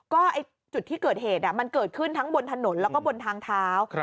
ก็จุดที่เกิดเหตุมันเกิดขึ้นทั้งบนถนนแล้วก็บนทางเท้า